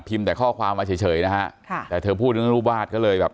แต่ข้อความมาเฉยนะฮะค่ะแต่เธอพูดเรื่องรูปวาดก็เลยแบบ